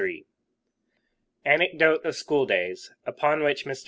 III ANECDOTE OF SCHOOL DAYS UPON WHICH MR.